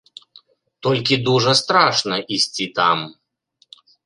Толькі дужа страшна ісці там.